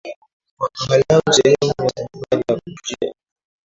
kwa angalau sehemu ya safari yako Je